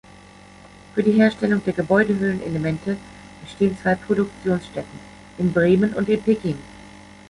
Für die Herstellung der Gebäudehüllen-Elemente bestehen zwei Produktionsstätten, in Bremen und in Peking.